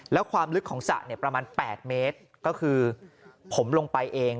แล้วความลึกของสระเนี่ยประมาณ๘เมตรก็คือผมลงไปเอง